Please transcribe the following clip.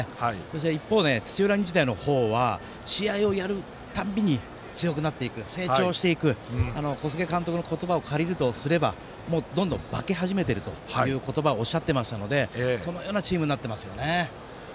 一方、土浦日大は試合をやるたびに強くなっていく、成長していく小菅監督の言葉を借りるとすればどんどん化け始めてるということをおっしゃってましたのでそのようなチームになってますよね。